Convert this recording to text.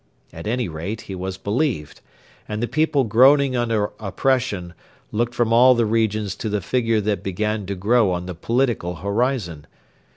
At any rate he was believed, and the people groaning under oppression looked from all the regions to the figure that began to grow on the political horizon.